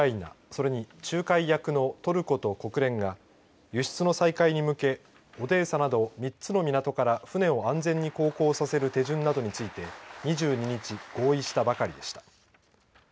それに仲介役のトルコと国連が輸出の再開に向けオデーサなど３つの港から船を安全に航行させる手順などについて２２日、合意したばかりでした。